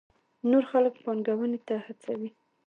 نور خلک پانګونې ته هڅوي.